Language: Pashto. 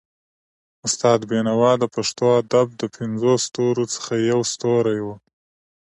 استاد بينوا د پښتو ادب د پنځو ستورو څخه يو ستوری وو.